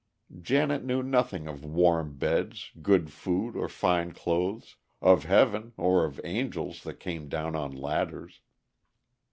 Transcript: Janet knew nothing of warm beds, good food, or fine clothes—of heaven, or of angels that came down on ladders.